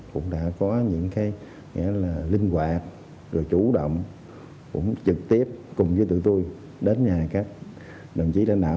cũng đã có những cái nghĩa là linh hoạt rồi chủ động cũng trực tiếp cùng với tụi tôi đến nhà các đồng chí đại đạo